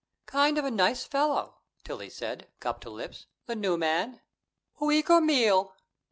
"Kind of a nice fellow," Tillie said, cup to lips "the new man." "Week or meal?"